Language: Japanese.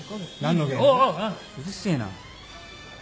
うるせえな